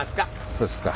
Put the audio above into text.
そうですか。